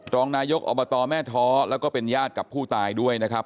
รองนายกอบตแม่ท้อแล้วก็เป็นญาติกับผู้ตายด้วยนะครับ